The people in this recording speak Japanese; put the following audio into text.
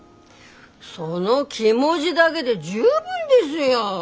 その気持ぢだげで十分ですよ。